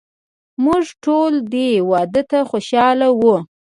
موږ ټول دې واده ته خوشحاله وو.